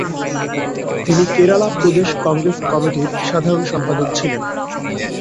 তিনি কেরালা প্রদেশ কংগ্রেস কমিটির সাধারণ সম্পাদক ছিলেন।